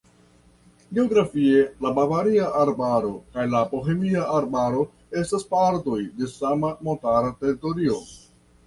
Geografie la Bavaria Arbaro kaj la Bohemia Arbaro estas partoj de sama montara teritorio.